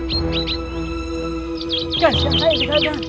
kasian saya di sana